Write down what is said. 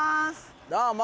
どうも。